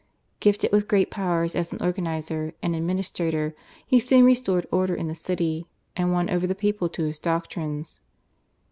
Gifted with great powers as an organiser and administrator he soon restored order in the city, and won over the people to his doctrines.